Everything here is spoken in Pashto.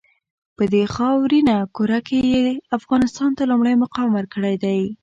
په دې خاورینه کُره کې یې افغانستان ته لومړی مقام ورکړی دی.